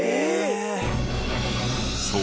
そう。